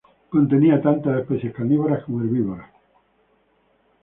Contenía tanto especies carnívoras como herbívoras.